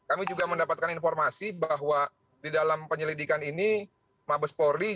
lalu kami juga mendapatkan informasi bahwa di dalam penyelidikan ini mabes polri juga mencari penyelidikan yang berbeda